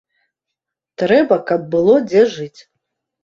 Трэба, каб было дзе жыць.